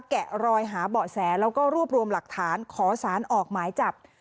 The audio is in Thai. แกะรอยหาเบาะแสแล้วก็รวบรวมหลักฐานขอสารออกหมายจับ